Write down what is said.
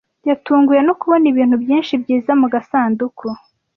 Yatunguwe no kubona ibintu byinshi byiza mu gasanduku.